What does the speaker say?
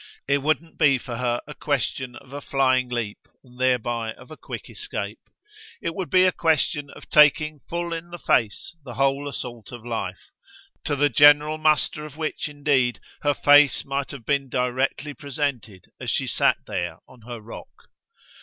It wouldn't be for her a question of a flying leap and thereby of a quick escape. It would be a question of taking full in the face the whole assault of life, to the general muster of which indeed her face might have been directly presented as she sat there on her rock.